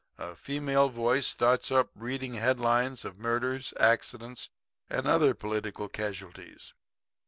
A female voice starts up reading headlines of murders, accidents and other political casualities.